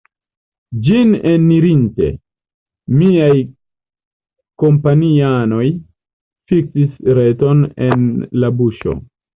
Ĝin enirinte, miaj kompanianoj fiksis reton en la buŝo.